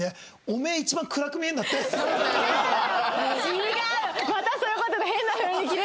違う！